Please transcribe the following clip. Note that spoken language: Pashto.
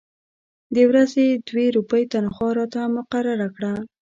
د ورځې دوې روپۍ تنخوا راته مقرره کړه.